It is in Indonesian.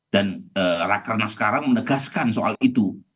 dan raker nas sekarang menegaskan soal itu